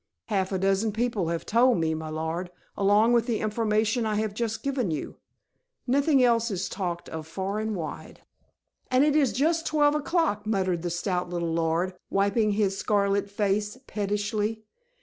"Half a dozen people have told me, my lord, along with the information I have just given you. Nothing else is talked of far and wide." "And it is just twelve o'clock," muttered the stout little lord, wiping his scarlet face pettishly.